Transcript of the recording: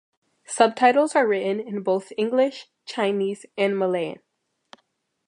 Subtitles are written in both English, Chinese and Malay.